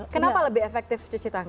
kenapa lebih efektif cuci tangan